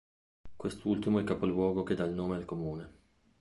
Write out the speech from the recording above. Quest'ultimo è il capoluogo che dà il nome al comune.